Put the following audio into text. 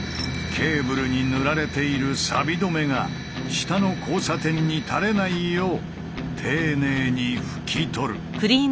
ケーブルに塗られているサビ止めが下の交差点にたれないよう丁寧に拭き取る。